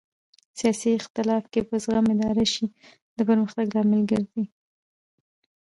سیاسي اختلاف که په زغم اداره شي د پرمختګ لامل ګرځي